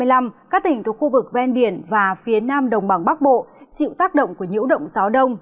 các tỉnh thuộc khu vực ven biển và phía nam đồng bằng bắc bộ chịu tác động của nhiễu động gió đông